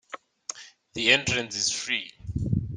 The entrance is free.